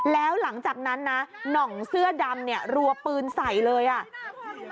แล้วหลังจากนั้นนะหน่องเสื้อดำเนี่ยรัวปืนใส่เลยอ่ะ